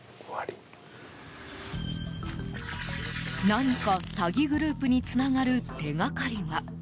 何か詐欺グループにつながる手がかりは？